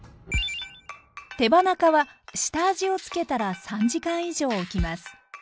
手羽中は下味をつけたら３時間以上おきます。